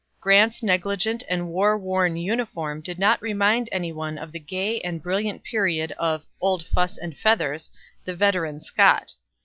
Grant's negligent and war worn uniform did not remind any one of the gay and brilliant period of "Old Fuss and Feathers," the veteran Scott.